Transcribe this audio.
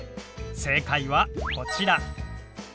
正解はこちら。